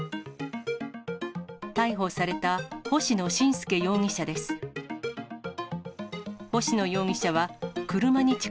逮捕された星野伸介容疑者です。